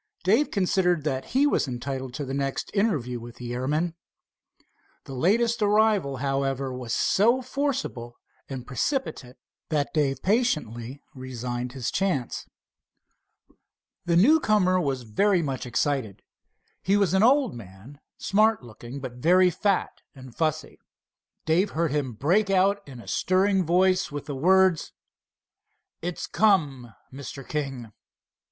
Dave considered that he was entitled to the next interview with the airman. The latest arrival, however, was so forcible and precipitate that Dave patiently resigned his chance. The newcomer was very much excited. He was an old man, smart looking, but very fat and fussy. Dave heard him break out in a stirring tone with the words: "It's come, Mr. King."